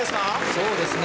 そうですね